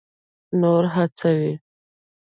نور هڅوي.